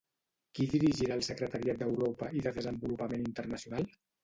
Qui dirigirà el secretariat d'Europa i de desenvolupament internacional?